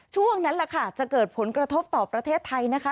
ช่วงนั้นแหละค่ะจะเกิดผลกระทบต่อประเทศไทยนะคะ